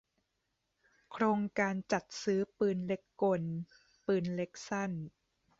โครงการจัดซื้อปืนเล็กกล ปืนเล็กสั้น